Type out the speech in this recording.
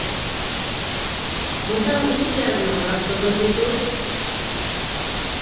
Мунсаның ишек ярығынан ҡарап торҙом тейсе у...